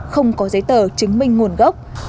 không có giấy tờ chứng minh nguồn gốc